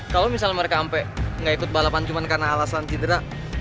kalo misalnya mereka sampe gak ikut balapan cuman karena alasan cedera